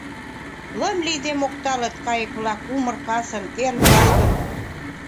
Лым лийде мокталыт кайык-влак Умыр касым, эр юалгым.